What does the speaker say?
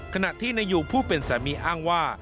ขณะที่นายอยู่ผู้เป็นสามีอ้างว่า